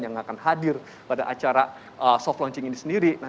yang akan hadir pada acara soft launching ini sendiri